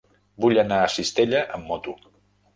Vull anar a Cistella amb moto.